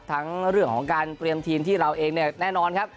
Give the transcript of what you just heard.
ทั้งเรื่องของการเตรียมทีมที่เราเองเนี่ยแน่นอนครับ